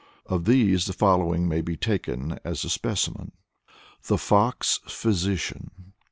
Of these the following may be taken as a specimen. THE FOX PHYSICIAN.